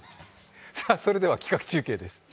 それでは企画中継です。